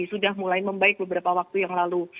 sudah mulai membaik beberapa waktu yang lalu